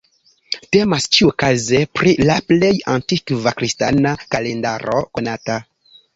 Temas, ĉiukaze, pri la plej antikva kristana kalendaro konata.